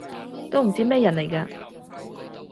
都唔知咩人嚟㗎